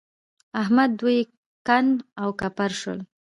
احمد دوی کنډ او کپر شول.